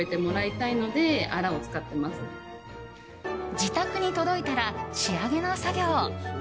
自宅に届いたら、仕上げの作業。